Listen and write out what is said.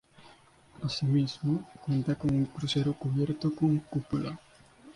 Asimismo cuenta con un crucero cubierto con cúpula.